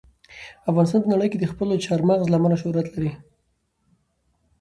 افغانستان په نړۍ کې د خپلو چار مغز له امله شهرت لري.